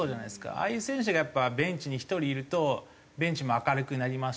ああいう選手がやっぱベンチに１人いるとベンチも明るくなりますし。